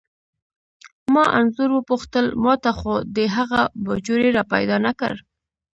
ما انځور وپوښتل: ما ته خو دې هغه باجوړی را پیدا نه کړ؟